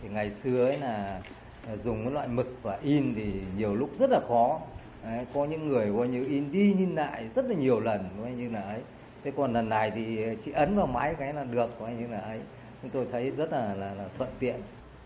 nhiều lúc rất là khó có những người đi nhìn lại rất là nhiều lần còn lần này thì chỉ ấn vào máy là được tôi thấy rất là thuận tiện